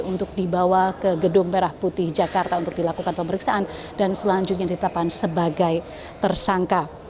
untuk dibawa ke gedung merah putih jakarta untuk dilakukan pemeriksaan dan selanjutnya ditetapkan sebagai tersangka